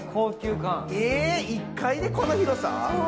え、１階でこの広さ？